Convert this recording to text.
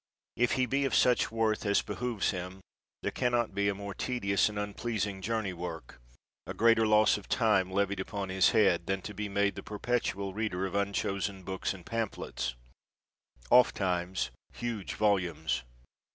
If he be of such worth as behooves him, there can not be a more tedious and unpleas ing journey work, a greater loss of time levied upon his head, than to be made the perpetual reader of unchosen books and pamphlets, ofttimes huge volumes.